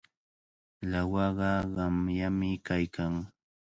Lawaqa qamyami kaykan.